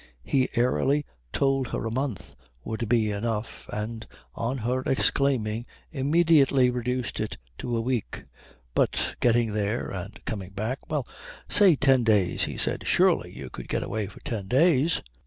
He airily told her a month would be enough, and, on her exclaiming, immediately reduced it to a week. "But getting there and coming back " "Well, say ten days," he said. "Surely you could get away for ten days?